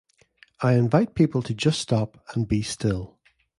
I invite people to just stop and be still.